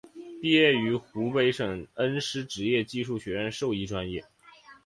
毕业于湖北省恩施职业技术学院兽医专业。